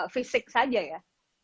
fisik saja ya